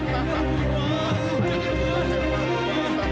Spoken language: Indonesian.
kalau satu satu kan